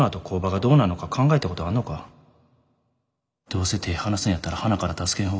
どうせ手ぇ離すんやったらはなから助けん方がええ。